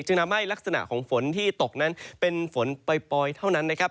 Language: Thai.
ทำให้ลักษณะของฝนที่ตกนั้นเป็นฝนปล่อยเท่านั้นนะครับ